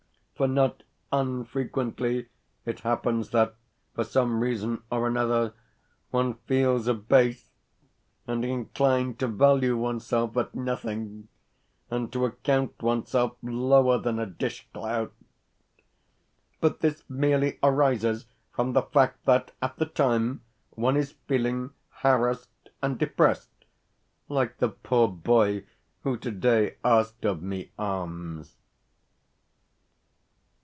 For not unfrequently it happens that, for some reason or another, one feels abased, and inclined to value oneself at nothing, and to account oneself lower than a dishclout; but this merely arises from the fact that at the time one is feeling harassed and depressed, like the poor boy who today asked of me alms.